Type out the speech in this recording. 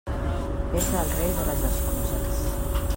És el rei de les excuses.